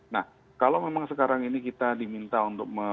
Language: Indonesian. nah kalau memang sekarang ini kita diminta untuk